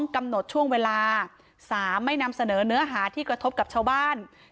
กำหนดช่วงเวลา๓ไม่นำเสนอเนื้อหาที่กระทบกับชาวบ้าน